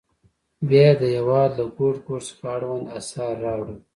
بیا یې د هېواد له ګوټ ګوټ څخه اړوند اثار راوړل.